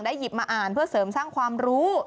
หยิบมาอ่านเพื่อเสริมสร้างความรู้